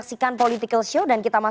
selamat malam mbak repana